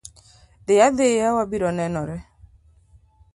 Dhi adhiya wabiro nenore.